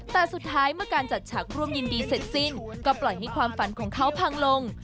แต่สุดท้ายเมื่อการจัดฉากร่วมยินดีเสร็จสิ้นก็ปล่อยให้ความฝันของเขาพังลง